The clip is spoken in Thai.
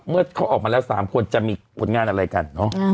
เมื่อเขาออกมาแล้ว๓คนจะมีผลงานอะไรกันเนอะ